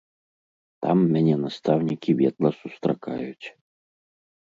Там мяне настаўнікі ветла сустракаюць.